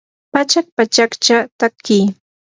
pachak pachakcha tatki